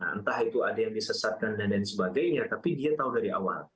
entah itu ada yang disesatkan dan lain sebagainya tapi dia tahu dari awal